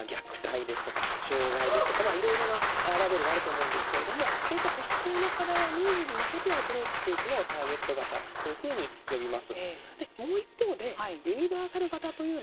例えば貧困ですとか虐待ですとか障害ですとかいろいろなラベルとあると思うんですけれどもそういった特定の課題やニーズに向けてアプローチしていくのをターゲット型というふうに呼びます。